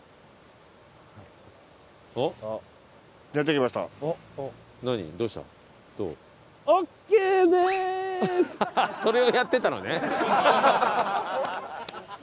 あっそれをやってたのね。